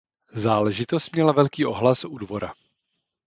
Záležitost měla velký ohlas u dvora.